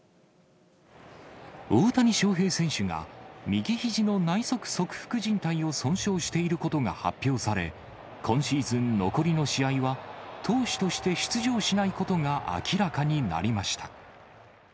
大谷翔平選手が、右ひじの内側側副じん帯を損傷していることが発表され、今シーズン残りの試合は、投手として出場しないことが明らかになりました。